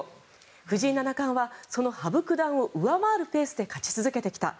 藤井七冠はその羽生九段を上回るペースで勝ち続けてきた。